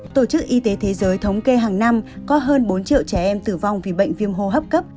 tổ chức y tế thế giới thống kê hàng năm có hơn bốn triệu trẻ em tử vong vì bệnh viêm hô hấp cấp